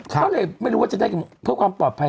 เขาเลยไม่รู้ว่าจะได้เป็นไงเพื่อความปลอดภัย